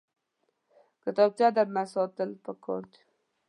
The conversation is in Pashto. کتابچه درنه ساتل پکار دي